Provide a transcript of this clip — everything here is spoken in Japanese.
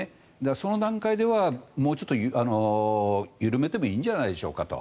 その段階ではもうちょっと緩めてもいいんじゃないでしょうかと。